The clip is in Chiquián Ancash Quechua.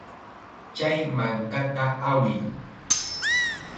Chay mankata awiy.